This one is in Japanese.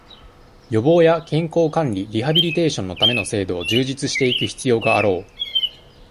予防や、健康管理、リハビリテーションのための制度を、充実していく必要があろう。